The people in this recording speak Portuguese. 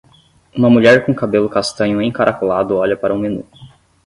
Uma mulher com cabelo castanho encaracolado olha para um menu.